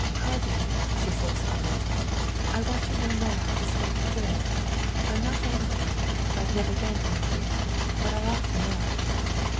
"Harvey," she said slowly, "I want to know now just what you did. I'm not angry. I've never been angry. But I ought to know."